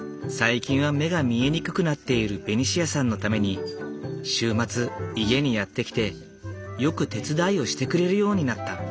最近は目が見えにくくなっているベニシアさんのために週末家にやって来てよく手伝いをしてくれるようになった。